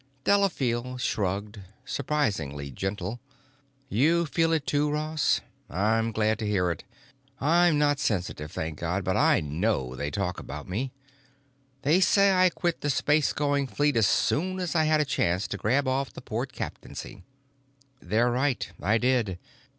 Delafield shrugged, suprisingly gentle. "You feel it too, Ross? I'm glad to hear it. I'm not sensitive, thank God, but I know they talk about me. They say I quit the space going fleet as soon as I had a chance to grab off the port captaincy. They're right; I did.